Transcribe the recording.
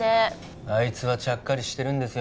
あいつはちゃっかりしてるんですよ